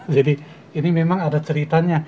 jadi ini memang ada ceritanya